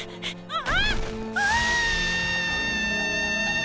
ああ！